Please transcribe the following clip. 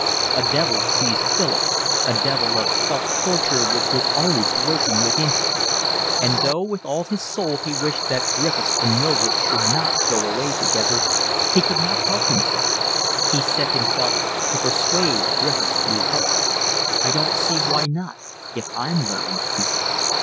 A devil seized Philip, a devil of self torture which was always lurking within him, and, though with all his soul he wished that Griffiths and Mildred should not go away together, he could not help himself; he set himself to persuade Griffiths through her. "I don't see why not, if I'm willing," he said.